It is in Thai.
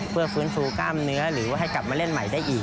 เพื่อฟื้นฟูกล้ามเนื้อหรือว่าให้กลับมาเล่นใหม่ได้อีก